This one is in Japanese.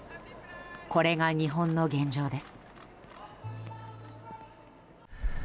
これが日本の現状です。